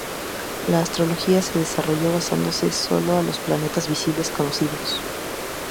La astrología se desarrolló basándose solo a los planetas visibles conocidos.